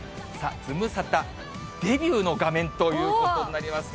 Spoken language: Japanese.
ズムサタデビューの画面ということになります。